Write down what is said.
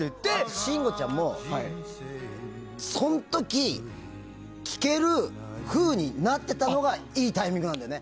信五ちゃんも、その時聴ける風になっていたのもいいタイミングなんだよね。